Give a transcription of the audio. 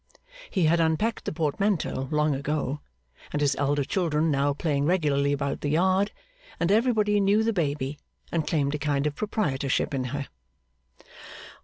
He had unpacked the portmanteau long ago; and his elder children now played regularly about the yard, and everybody knew the baby, and claimed a kind of proprietorship in her.